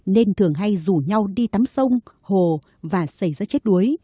nên thường hay rủ nhau đi tắm sông hồ và xảy ra chết đuối